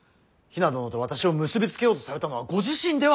比奈殿と私を結び付けようとされたのはご自身ではないですか。